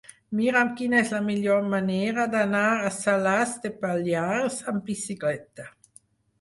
Mira'm quina és la millor manera d'anar a Salàs de Pallars amb bicicleta.